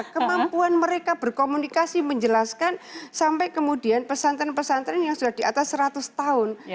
kemampuan mereka berkomunikasi menjelaskan sampai kemudian pesantren pesantren yang sudah di atas seratus tahun